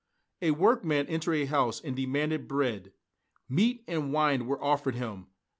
A workman entered a house and demanded bread. Meat and wine were offered him.